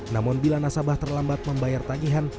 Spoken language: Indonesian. namun bila nasabah terlambat membayar tagihan